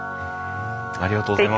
ありがとうございます。